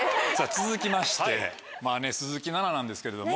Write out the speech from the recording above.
続きまして鈴木奈々なんですけれども。